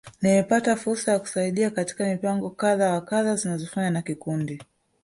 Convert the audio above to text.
Nimepata fursa ya kusaidia katika mipango kadha wa kadha zinazofanywa na kikundi.